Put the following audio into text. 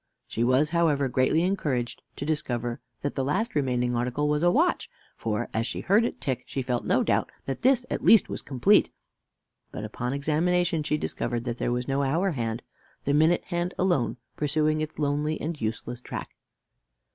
She was, however, greatly encouraged to discover that the last remaining article was a watch; for, as she heard it tick, she felt no doubt that this at least was complete; but upon examination she discovered that there was no hour hand, the minute hand alone pursuing its lonely and useless track.